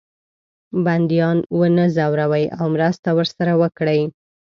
بندیان ونه زوروي او مرسته ورسره وکړي.